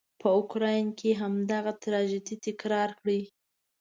په اوکراین کې همدغه تراژيدي تکرار کړي.